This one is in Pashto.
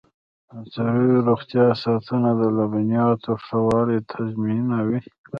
د څارویو روغتیا ساتنه د لبنیاتو ښه والی تضمینوي.